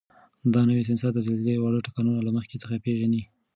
دا نوی سینسر د زلزلې واړه ټکانونه له مخکې څخه پېژني.